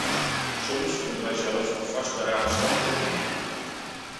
Soms moeten wij zelfs een vastberaden standpunt innemen.